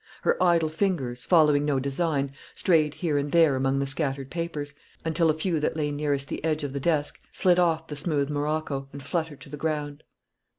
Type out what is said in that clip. Her idle fingers, following no design, strayed here and there among the scattered papers, until a few that lay nearest the edge of the desk slid off the smooth morocco, and fluttered to the ground.